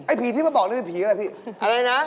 ไอ้ผีที่มาบอกนี่มันผีอะไรพี่อะไรนะ